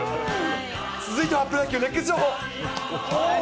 続いてはプロ野球熱ケツ情報。